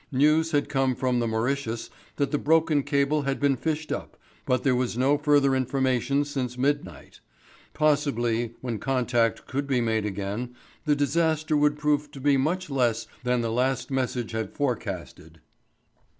News had come from the Mauritius that the broken cable had been fished up, but there was no further information since midnight. Possibly, when contact could be made again, the disaster would prove to be much less than the last message had forecasted.